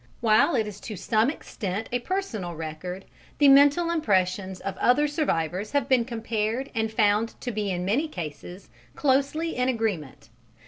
While it is to some extent a personal record, the mental impressions of other survivors have been compared and found to be in many cases closely in agreement.